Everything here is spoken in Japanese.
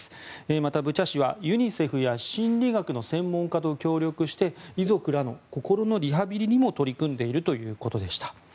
また、ブチャ市はユニセフや心理学の専門家と協力して遺族らの心のリハビリにも取り組んでいるということでした。